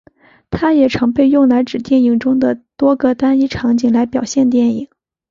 它也常被用来指电影中的多个单一场景来表现电影。